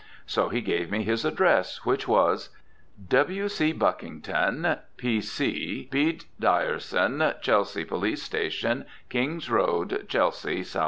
So he gave me his address, which was: "W. C. Buckington, P. C. B. Deyersan, Chelsea Police Station, King's Road, Chelsea, S.W."